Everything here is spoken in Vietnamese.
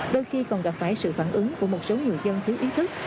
đôi khi còn gặp phải sự phản ứng của một số người dân thiếu ý thức